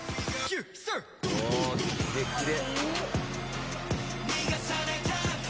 キレッキレ！